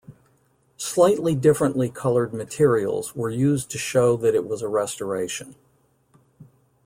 Slightly differently colored materials were used to show that it was a restoration.